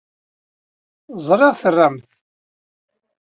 Ẓriɣ tram-t.